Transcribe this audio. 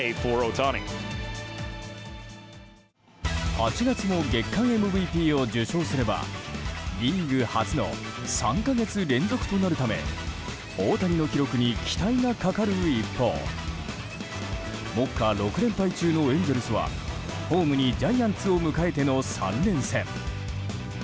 ８月も月間ＭＶＰを受賞すればリーグ初の３か月連続となるため大谷の記録に期待がかかる一方目下６連敗中のエンゼルスはホームにジャイアンツを迎えての３連戦。